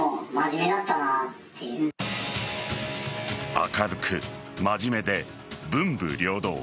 明るく真面目で文武両道。